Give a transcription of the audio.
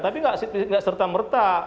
tapi enggak serta merta